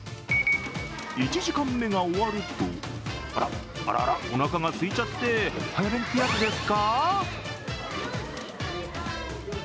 １時間目が終わると、あらっ、あららおなかがすいちゃって、早弁ってやつですか？